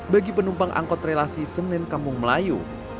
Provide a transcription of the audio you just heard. bagi penumpang angkot relasi senen kampung melayu